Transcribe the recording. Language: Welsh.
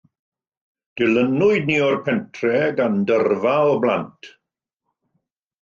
Dilynwyd ni o'r pentre gan dyrfa o blant.